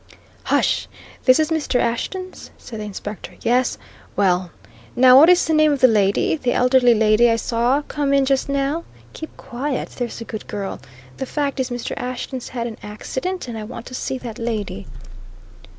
"Hush! This is Mr. Ashton's?" said the Inspector. "Yes well, now, what is the name of the lady the elderly lady I saw come in just now? Keep quiet, there's a good girl, the fact is, Mr. Ashton's had an accident, and I want to see that lady."